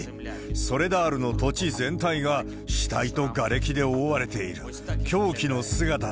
ソレダールの土地全体が死体とがれきで覆われている。